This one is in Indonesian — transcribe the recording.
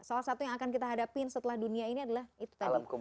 salah satu yang akan kita hadapi setelah dunia ini adalah